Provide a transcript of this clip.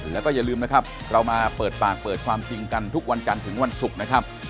แล้วก็อย่าลืมนะครับเรามาเปิดปากเปิดความจริงกันทุกวันจันทร์ถึงวันศุกร์นะครับ